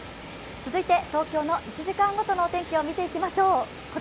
続いて、東京の１時間ごとのお天気を見ていきましょう。